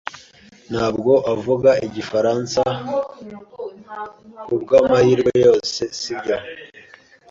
Ntabwo uvuga igifaransa kubwamahirwe yose, sibyo?